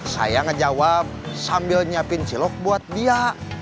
saya ngejawab sambil nyiapin cilok buat dia